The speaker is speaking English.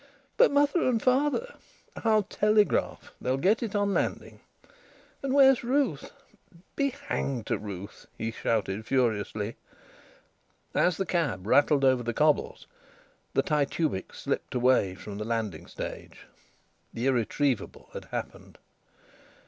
"But mother and father..." "I'll telegraph. They'll get it on landing." "And where's Ruth?" "Be hanged to Ruth!" he shouted furiously. As the cab rattled over the cobbles the Titubic slipped away from the landing stage. The irretrievable had happened.